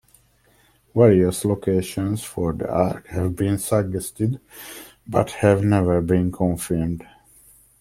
Various locations for the ark have been suggested but have never been confirmed.